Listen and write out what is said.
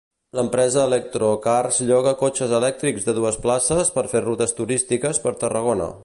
L'empresa Electrokars lloga cotxes elèctrics de dues places per fer rutes turístiques per Tarragona.